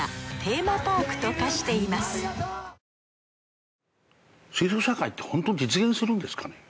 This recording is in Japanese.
ＪＴ水素社会って本当に実現するんですかね？